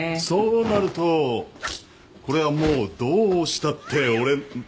そうなるとこれはもうどうしたって俺。